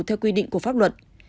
theo quy định của pháp luật